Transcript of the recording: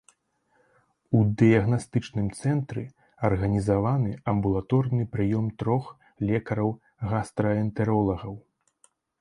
У дыягнастычным цэнтры арганізаваны амбулаторны прыём трох лекараў-гастраэнтэролагаў.